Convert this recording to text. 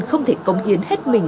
không thể công hiến hết mình